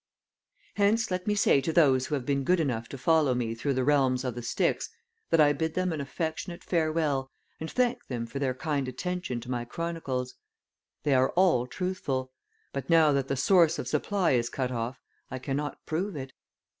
Hence let me say to those who have been good enough to follow me through the realms of the Styx that I bid them an affectionate farewell and thank them for their kind attention to my chronicles. They are all truthful; but now that the source of supply is cut off I cannot prove it.